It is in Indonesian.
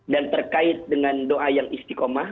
dan terkait dengan doa yang istikomah